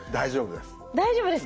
大丈夫です。